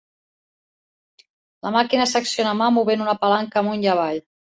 La màquina s'acciona a mà movent una palanca amunt i avall.